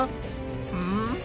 うん？